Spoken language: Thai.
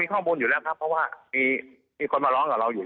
ข้อมูลอยู่แล้วครับเพราะว่ามีคนมาร้องกับเราอยู่